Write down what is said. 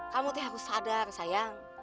kamu tuh harus sadar sayang